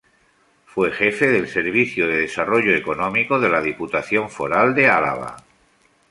Fue jefe del Servicio de Desarrollo Económico de la Diputación Foral de Álava.